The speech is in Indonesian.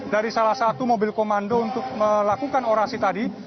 dari salah satu mobil komando untuk melakukan orasi tadi